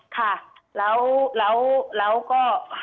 ค่ะแล้วก็